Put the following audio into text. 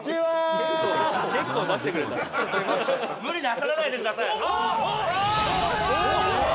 「無理なさらないでください」